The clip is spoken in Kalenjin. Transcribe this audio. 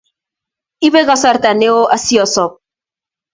ibee kasarta neo asiosop